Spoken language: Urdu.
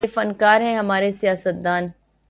بڑے فنکار ہیں ہمارے سیاستدان